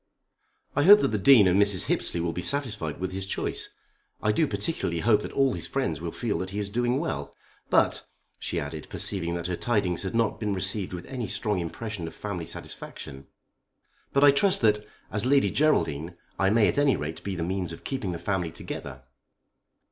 "I hope that the Dean and Mrs. Hippesley will be satisfied with his choice. I do particularly hope that all his friends will feel that he is doing well. But," she added, perceiving that her tidings had not been received with any strong expression of family satisfaction "but I trust that, as Lady Geraldine, I may at any rate be the means of keeping the family together."